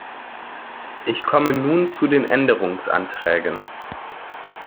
Ich komme nun zu den Änderungsanträgen.